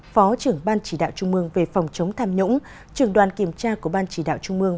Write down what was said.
phó trưởng ban chỉ đạo trung mương về phòng chống tham nhũng trường đoàn kiểm tra của ban chỉ đạo trung mương